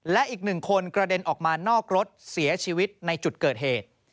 และอีกหนึ่งคนกระเด็นออกมานอกรถเสียชีวิตในจุดเกิดเหตุ